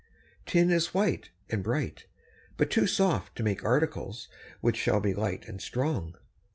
Tin is white and bright, but too soft to make articles which shall be light and strong.